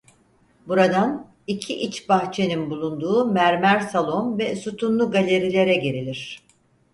Buradan iki iç bahçenin bulunduğu mermer salon ve sütunlu galerilere girilir.